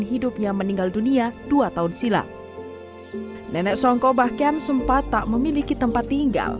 hidupnya meninggal dunia dua tahun silam nenek songko bahkan sempat tak memiliki tempat tinggal